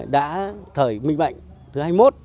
đã thời minh mạnh thứ hai mươi một